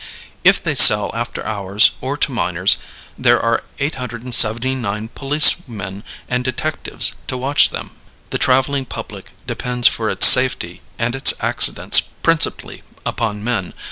If they sell after hours or to minors, there are 879 policemen and detectives to watch them. The traveling public depends for its safety and its accidents principally upon men.